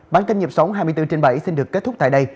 bản tin nhập sống hai mươi bốn h bảy xin được kết thúc tại đây